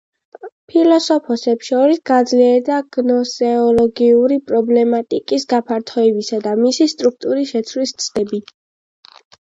ფილოსოფოსებს შორის გაძლიერდა გნოსეოლოგიური პრობლემატიკის გაფართოებისა და მისი სტრუქტურის შეცვლის ცდები.